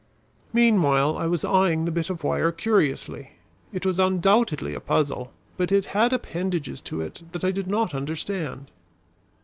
Meanwhile I was eying the bit of wire curiously. It was undoubtedly a puzzle, but it had appendages to it that I did not understand.